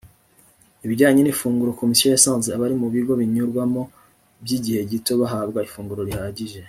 ibijyanye n ifunguro komisiyo yasanze abari mu bigo binyurwamo by igihe gito bahabwa ifunguro rihagije